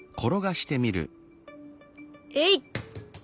えい！